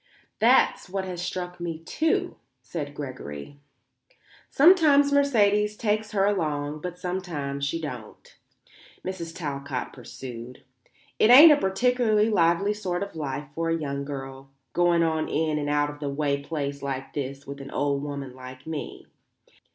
"That's what has struck me, too," said Gregory. "Sometimes Mercedes takes her along; but sometimes she don't," Mrs. Talcott pursued. "It ain't a particularly lively sort of life for a young girl, going on in an out of the way place like this with an old woman like me.